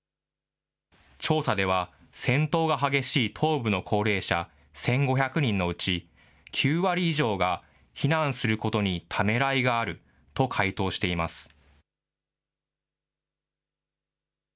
調査では、戦闘が激しい東部の高齢者１５００人のうち、９割以上が避難することにためらいがあると回答しています。